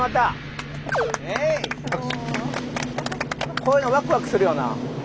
こういうのわくわくするよな。